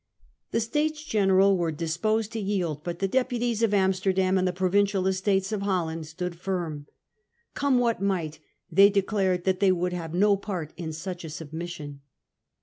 The Statcs Gencral were disposed to yield, but the deputies of Amsterdam in the Provincial Estates of Holland stood firm. Come what might, they declared that they would have no part in such a submission.